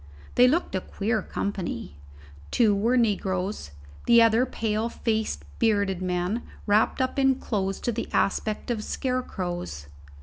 They looked a queer company: two were negroes, the others pale faced bearded men, wrapped up in clothes to the aspect of scarecrows.